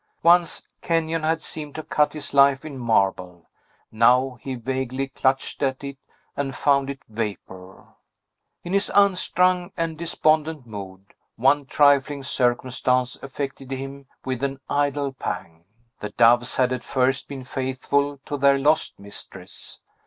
Once Kenyon had seemed to cut his life in marble; now he vaguely clutched at it, and found it vapor. In his unstrung and despondent mood, one trifling circumstance affected him with an idle pang. The doves had at first been faithful to their lost mistress.